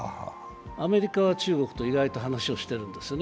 アメリカは中国と意外と話をしているんですね。